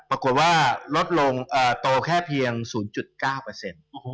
ปรากฏว่าลดลงเอ่อโตแค่เพียงศูนย์จุดเก้าเปอร์เซ็นต์โอ้โห